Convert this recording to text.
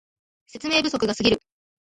説明不足がすぎる